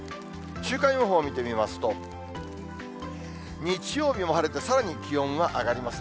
週間予報見てみますと、日曜日も晴れて、さらに気温は上がりますね。